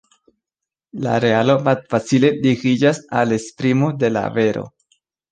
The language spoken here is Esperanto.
La realo malfacile ligiĝas al esprimo de la vero.